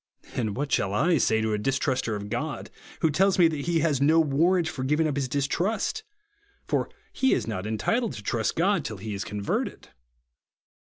And what shall I say to a distruster of God, who tells me that he has no warrant for giving up his distrust, for he is not entitled to trust God till he is converted